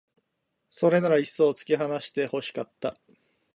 それならいっそう突き放して欲しかった